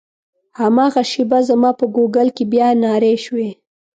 هماغه شېبه زما په ګوګل کې بیا نارې شوې.